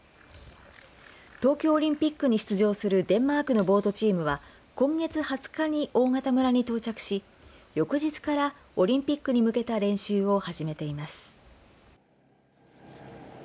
東京オリンピックに出場するデンマークのボートチームは今月２０日に大潟村に到着し翌日からオリンピックに向けた練習を始めています。